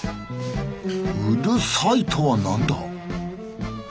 うるさいとは何だ。